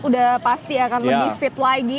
udah pasti akan lebih fit lagi